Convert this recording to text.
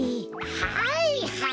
はいはい！